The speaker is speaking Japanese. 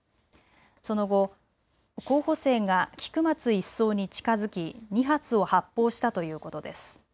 その後、候補生が菊松１曹に近づき２発を発砲したということです。